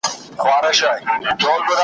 چي بچي دي زېږولي غلامان دي .